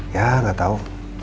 ya gak tahu